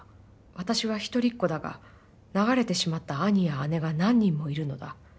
私は一人っ子だが、流れてしまった兄や姉が何人もいるのだ。